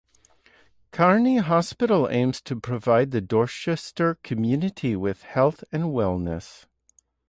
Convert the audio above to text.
Carney Hospital aims to provided the Dorchester community with health and wellness.